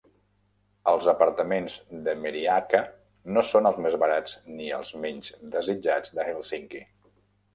Els apartaments de Merihaka no són els més barats ni els menys desitjats de Helsinki.